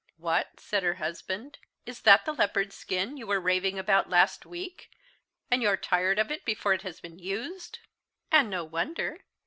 "What," said her husband, "is that the leopard's skin you were raving about last week, and your are tired of it before it has been used?" "And no wonder.